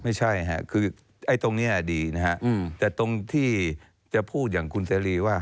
ไม่ใช่ค่ะคือไอ้ตรงนี้ดีนะฮะแต่ตรงที่จะพูดอย่างคุณเสรีว่า